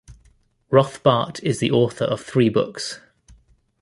Rothbart is the author of three books.